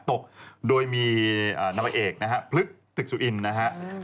ตกโดยมีนวเอกพลึกตึกสุอินนะครับ